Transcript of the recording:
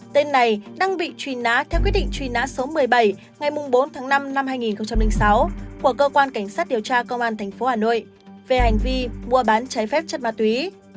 tên này đang bị trùy ná theo quyết định trùy ná số một mươi bảy ngày bốn tháng năm năm hai nghìn sáu của cơ quan cảnh sát điều tra công an thành phố hà nội về hành vi mua bán trái phép chất ma túy